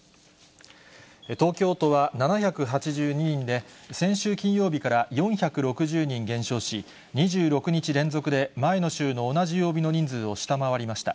東京都は７８２人で、先週金曜日から４６０人減少し、２６日連続で前の週の同じ曜日の人数を下回りました。